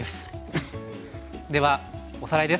ではおさらいです。